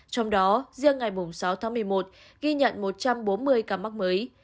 trong đó riêng ngày sáu tháng một mươi một ghi nhận một trăm bốn mươi ca mắc mới